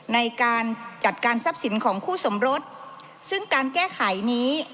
ในการจัดการทรัพย์สินของคู่สมรสซึ่งการแก้ไขนี้